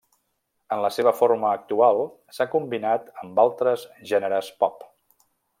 En la seva forma actual, s'ha combinat amb altres gèneres pop.